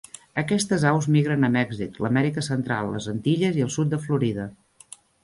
Aquestes aus migren a Mèxic, l'Amèrica Central, les Antilles i el sud de Florida.